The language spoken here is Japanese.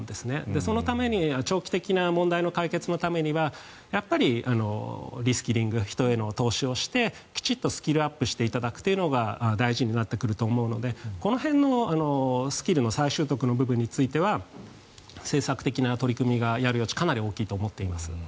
そのために長期的な問題の解決のためにはやっぱりリスキリング人への投資をしてきちんとスキルアップしていただくのが大事になってくると思うのでこの辺のスキルの再取得の部分については政策的な取り組みをやる余地がかなり大きいと思っています。